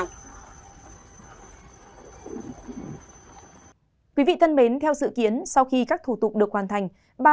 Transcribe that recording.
quý vị thân mến theo sự kiến sau khi các thủ tục được hoàn thành